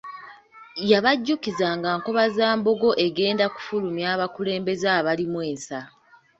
Yabajjukiza nga Nkobazambogo egenda kufulumya abakulembeze abalimu ensa.